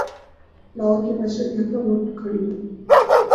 لاہور کی معیشت یکدم اٹھ کھڑی ہو۔